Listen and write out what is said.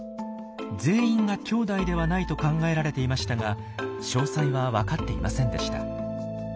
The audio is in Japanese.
全員が兄弟ではないと考えられていましたが詳細は分かっていませんでした。